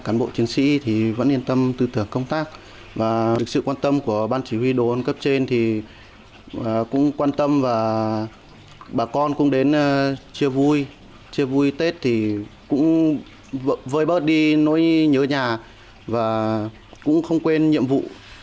nói vui chê vui tết thì cũng vơi bớt đi nỗi nhớ nhà và cũng không quên nhiệm vụ